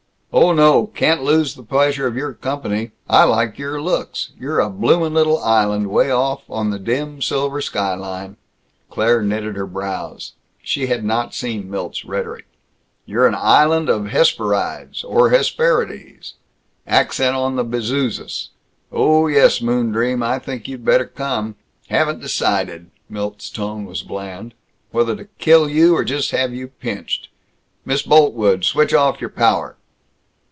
"Oh no; can't lose pleasure of your company. I like your looks. You're a bloomin' little island way off on the dim silver skyline." Claire knitted her brows. She had not seen Milt's rhetoric. "You're an island of Hesperyds or Hesperides. Accent on the bezuzus. Oh, yes, moondream, I think you better come. Haven't decided" Milt's tone was bland "whether to kill you or just have you pinched. Miss Boltwood! Switch off your power!"